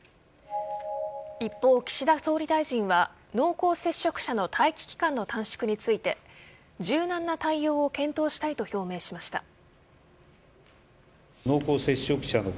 一方、岸田総理大臣は濃厚接触者の待機期間の短縮について柔軟な対応を検討したいと表明しました。